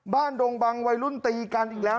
ดงบังวัยรุ่นตีกันอีกแล้ว